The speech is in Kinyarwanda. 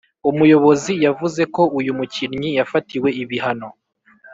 umuyobozi, yavuze ko “Uyu mukinnyi yafatiwe ibihano,